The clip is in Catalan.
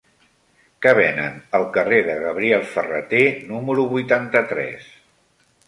Què venen al carrer de Gabriel Ferrater número vuitanta-tres?